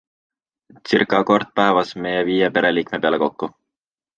Ca kord päevas meie viie pereliikme peale kokku.